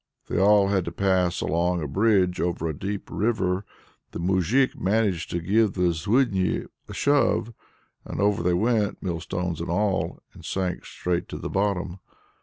They all had to pass along a bridge over a deep river; the moujik managed to give the Zluidni a shove, and over they went, mill stones and all, and sank straight to the bottom.